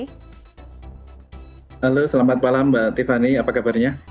halo selamat malam mbak tiffany apa kabarnya